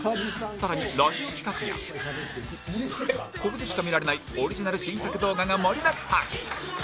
さらにラジオ企画やここでしか見られないオリジナル新作動画が盛りだくさん！